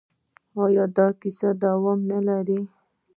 آیا دا کیسه لا دوام نلري؟